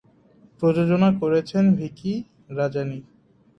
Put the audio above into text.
প্রযোজনা করেছেন ভিকি রাজানি।